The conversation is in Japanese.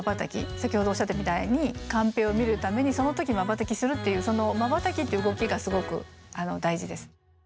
先ほどおっしゃったみたいにカンペを見るためにそのときまばたきするっていうそのまばたきって動きがすごく大事です。